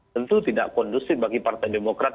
tentu tidak kondusif bagi partai demokrat